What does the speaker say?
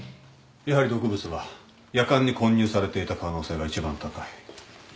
やはり毒物はやかんに混入されていた可能性が一番高い。